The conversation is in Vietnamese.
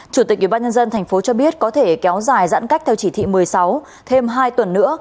chủ tịch ubnd tp cho biết có thể kéo dài giãn cách theo chỉ thị một mươi sáu thêm hai tuần nữa